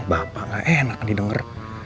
bapak nggak enak didengar